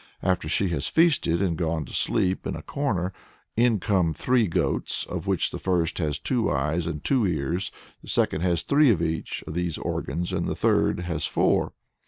After she has feasted and gone to sleep in a corner, in come three goats, of which the first has two eyes and two ears, the second has three of each of these organs, and the third has four.